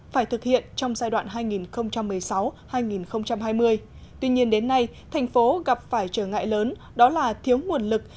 phải thực hiện trong giai đoạn hai nghìn một mươi sáu hai nghìn hai mươi tuy nhiên đến nay thành phố gặp phải trở ngại lớn đó là thiếu nguồn lực